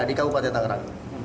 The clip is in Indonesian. ya di kabupaten tanggerang